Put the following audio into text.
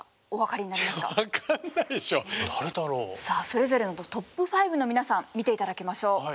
さあそれぞれのトップ５の皆さん見て頂きましょう。